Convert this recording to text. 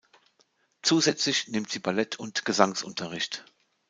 Zusätzlich nimmt sie Ballett- und Gesangsunterricht.